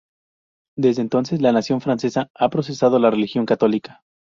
Desde entonces la nación francesa ha profesado la religión católica.